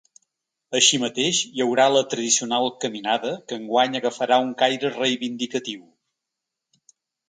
Així mateix, hi haurà la tradicional caminada, que enguany agafarà un caire reivindicatiu.